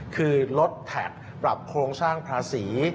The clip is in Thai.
คือลดแท็กปรับโครงสร้างภาษี